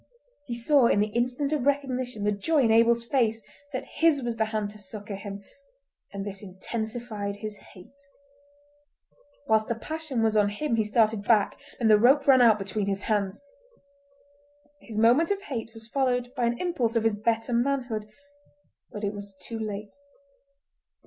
He saw in the instant of recognition the joy in Abel's face that his was the hand to succour him, and this intensified his hate. Whilst the passion was on him he started back, and the rope ran out between his hands. His moment of hate was followed by an impulse of his better manhood, but it was too late.